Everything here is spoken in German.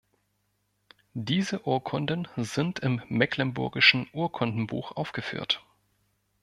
Diese Urkunden sind im Mecklenburgischen Urkundenbuch aufgeführt.